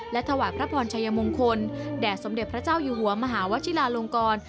ถวายพระพรชัยมงคลแด่สมเด็จพระเจ้าอยู่หัวมหาวชิลาลงกร